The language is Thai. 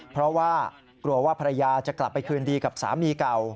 เพราะว่ากลัวว่าภรรยาจะกลับไปคืนดีกับสามีเก่า